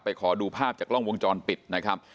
ขอดูภาพจากกล้องวงจรปิดนะครับ